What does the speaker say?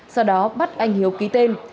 sau đó bắt anh hiếu ký tên